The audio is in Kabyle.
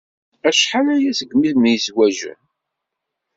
Acḥal aya segmi i myezwaǧen.